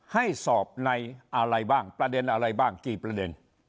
ให้สอบในอะไรบ้างประเด็นอะไรบ้างกี่ประเด็น